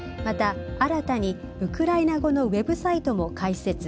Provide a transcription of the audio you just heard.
また新たにウクライナ語のウェブサイトも開設。